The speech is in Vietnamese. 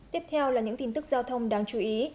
tiếp theo là những tin tức giao thông đáng chú ý